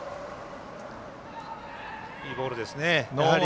いいボールですね。